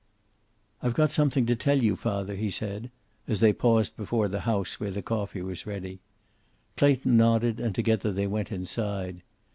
"I've got something to tell you, father," he said, as they paused before the house where the coffee was ready. Clayton nodded, and together they went inside.